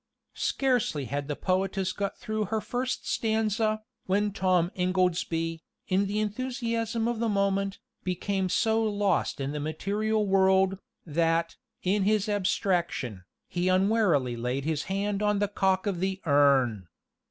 Scarcely had the poetess got through her first stanza, when Tom Ingoldsby, in the enthusiasm of the moment, became so lost in the material world, that, in his abstraction, he unwarily laid his hand on the cock of the urn.